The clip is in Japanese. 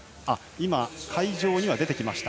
会場には出てきました。